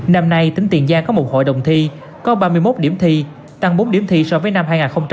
năm nay tỉnh tiền giang có một hội đồng thi có ba mươi một điểm thi tăng bốn điểm thi so với năm hai nghìn một mươi tám